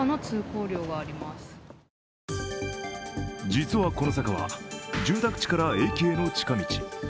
実は、この坂は、住宅地から駅への近道。